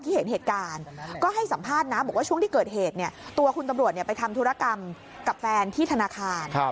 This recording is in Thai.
เห็นเหตุการณ์ก็ให้สัมภาษณ์นะบอกว่าช่วงที่เกิดเหตุเนี่ยตัวคุณตำรวจไปทำธุรกรรมกับแฟนที่ธนาคาร